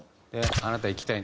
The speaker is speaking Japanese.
「あなたいきたい？